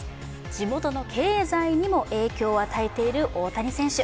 地元の経済にも影響を与えている大谷選手。